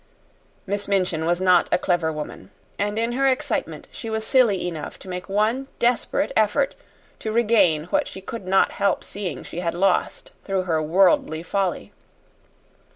Miss Minchin was not a clever woman, and in her excitement she was silly enough to make one desperate effort to regain what she could not help seeing she had lost through her worldly folly.